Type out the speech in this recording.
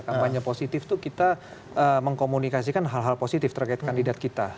kampanye positif itu kita mengkomunikasikan hal hal positif terkait kandidat kita